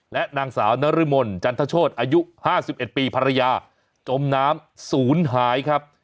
และนางสาวนรมนจันทโชธอายุ๕๑ปีภรรยาจมน้ำศูนย์หายครับ